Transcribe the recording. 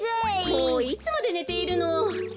もういつまでねているの。